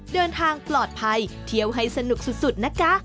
เดินทางปลอดภัยเที่ยวให้สนุกสุดนะคะ